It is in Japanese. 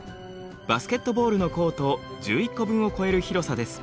バスケットボールのコート１１個分を超える広さです。